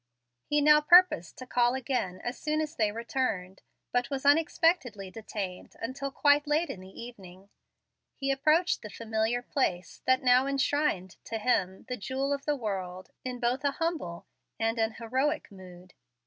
He now purposed to call again as soon as they returned, but was unexpectedly detained until quite late in the evening. He approached the familiar place that now enshrined, to him, the jewel of the world, in both a humble and an heroic mood.